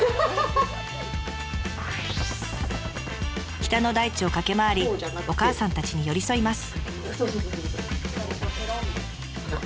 北の大地を駆け回りお母さんたちに寄り添います。